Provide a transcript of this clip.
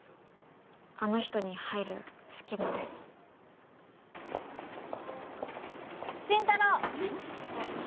あの人に入る隙間です真太郎あ